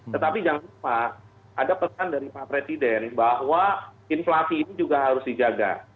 tetapi jangan lupa ada pesan dari pak presiden bahwa inflasi ini juga harus dijaga